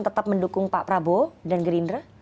tetap mendukung pak prabowo dan gerindra